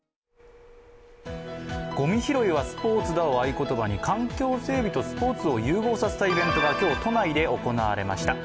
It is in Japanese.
ごみ拾いはスポーツだを合言葉に環境整備とスポーツを融合させたイベントが今日、都内で行われました。